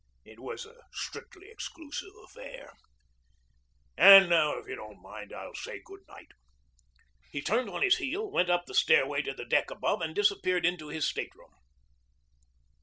It was a strictly exclusive affair. And now, if you don't mind, I'll say good night." He turned on his heel, went up the stairway to the deck above, and disappeared into his stateroom.